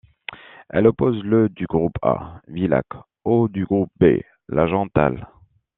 Elle oppose le du groupe A, Villach, au du groupe B, Langenthal.